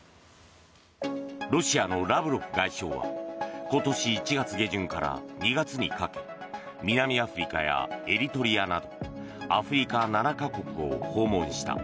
ロシアのラブロフ外相は今年１月下旬から２月にかけ南アフリカやエリトリアなどアフリカ７か国を訪問した。